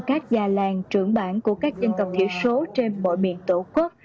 các già làng trưởng bản của các dân tộc thiểu số trên mọi miền tổ quốc